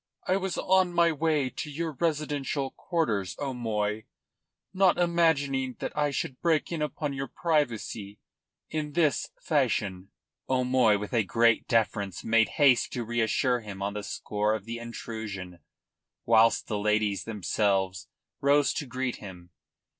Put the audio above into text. "I was on my way to your residential quarters, O'Moy, not imagining that I should break in upon your privacy in this fashion." O'Moy with a great deference made haste to reassure him on the score of the intrusion, whilst the ladies themselves rose to greet him.